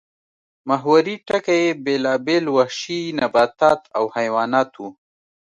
محوري ټکی یې بېلابېل وحشي نباتات او حیوانات وو